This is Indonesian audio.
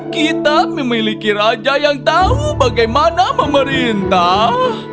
kita memiliki raja yang tahu bagaimana memerintah